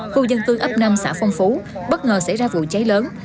khu dân cư ấp năm xã phong phú bất ngờ xảy ra vụ cháy lớn